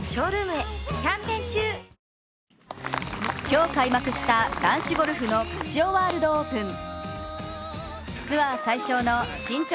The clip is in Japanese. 今日、開幕した男子ゴルフのカシオワールドオープン。